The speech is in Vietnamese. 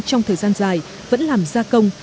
trong thời gian dài vẫn làm gia công